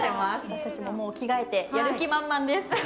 私たちも着替えて、やる気満々です。